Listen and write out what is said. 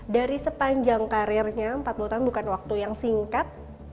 dari sepanjang karirnya empat puluh tahun bukan waktu yang singkat